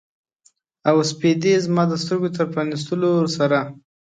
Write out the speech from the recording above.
او سپیدې زما د سترګو د پرانیستلو سره